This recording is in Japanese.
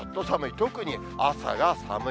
特に朝が寒い。